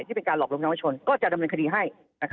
ที่เป็นการหลอกลวงเยาวชนก็จะดำเนินคดีให้